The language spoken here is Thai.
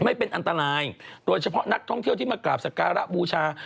ไม่เป็นอันตรายโดยเฉพาะนักท่องเที่ยวที่มากราบสการะบูชา